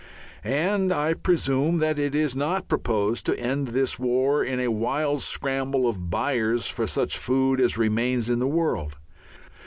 And I presume that it is not proposed to end this war in a wild scramble of buyers for such food as remains in the world.